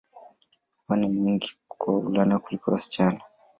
Huwa ni nyingi kwa wavulana kuliko wasichana.